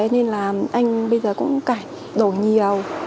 nên là anh bây giờ cũng cải đổi nhiều